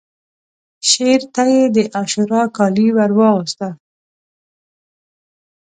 شعر ته یې د عاشورا کالي ورواغوستل